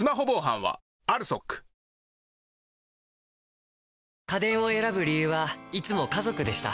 「えっわっわああ！」家電を選ぶ理由はいつも家族でした。